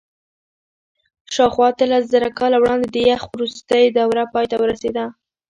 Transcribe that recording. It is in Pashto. شاوخوا اتلسزره کاله وړاندې د یخ وروستۍ دوره پای ته ورسېده.